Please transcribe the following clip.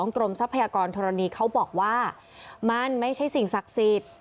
ทรัพยากรธรณีเขาบอกว่ามันไม่ใช่สิ่งศักดิ์สิทธิ์